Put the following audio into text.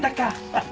ハハ。